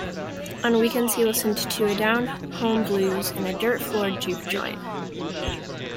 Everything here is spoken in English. On weekends he listened to down-home blues in a dirt-floored juke joint.